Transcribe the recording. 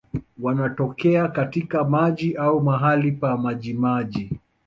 Wanatokea katika maji au mahali pa majimaji.